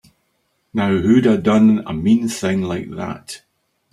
Now who'da done a mean thing like that?